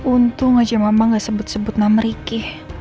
untung aja mama gak sebut sebut nama ricky